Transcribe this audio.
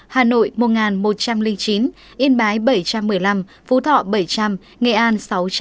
hà nội một một trăm linh chín yên bái bảy trăm một mươi năm phú thọ bảy trăm linh nghệ an sáu trăm ba mươi tám